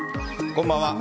こんばんは。